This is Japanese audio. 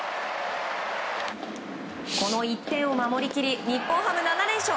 この１点を守り切り日本ハム、７連勝。